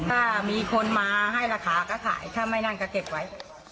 ถ้ามีคนมาให้ราคาก็ขายถ้าไม่นั่นก็เก็บไว้